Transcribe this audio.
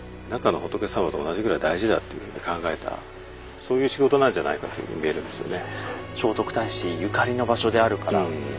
そういう仕事なんじゃないかというように見えるんですよね。